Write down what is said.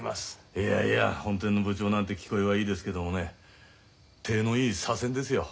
いやいや本店の部長なんて聞こえはいいですけどもね体のいい左遷ですよ。